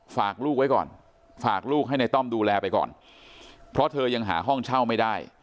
ฝากลูกไว้ก่อนฝากลูกให้ในต้อมดูแลไปก่อนเพราะเธอยังหาห้องเช่าไม่ได้